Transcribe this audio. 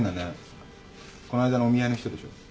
この間のお見合いの人でしょ？